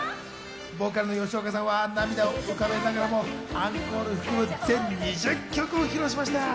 ボーカルの吉岡さんは涙を浮かべながらもアンコールを含む全２０曲を披露しました。